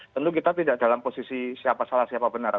tentu kita tidak dalam posisi siapa salah siapa benar